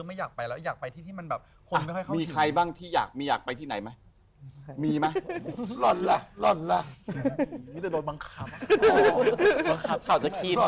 เค้าบอกว่าเดี๋ยวนี้ไม่น่ากลัวเพราะทำให้บี้วิทยาพรรณแล้ว